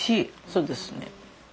そうですね。